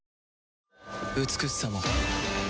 美しさも